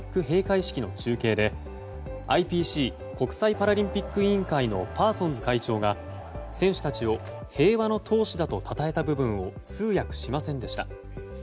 閉会式の中継でＩＰＣ・国際パラリンピック委員会のパーソンズ会長が選手たちを平和の闘士だとたたえた部分を通訳しませんでした。